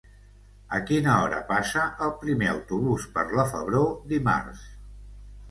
A quina hora passa el primer autobús per la Febró dimarts?